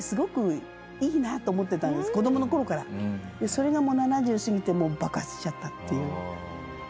それが７０過ぎて爆発しちゃったっていう。